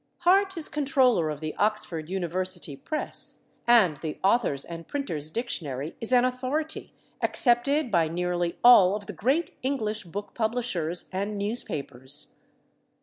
Hart is Controller of the Oxford University Press, and the Authors' and Printers' Dictionary is an authority accepted by nearly all of the great English book publishers and newspapers.